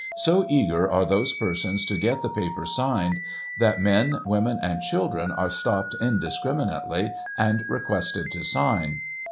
So eager are those persons to get the paper signed, that men, women, and children are stopped indiscriminately, and requested to sign.